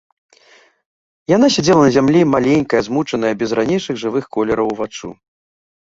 Яна сядзела на зямлі, маленькая, змучаная, без ранейшых жывых колераў уваччу.